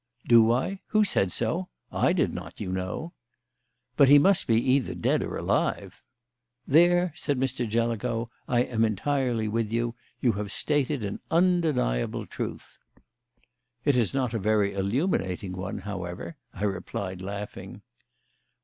"Do I? Who said so? I did not, you know." "But he must be either dead or alive." "There," said Mr. Jellicoe, "I am entirely with you. You have stated an undeniable truth." "It is not a very illuminating one, however," I replied, laughing.